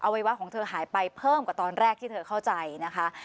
วัยวะของเธอหายไปเพิ่มกว่าตอนแรกที่เธอเข้าใจนะคะ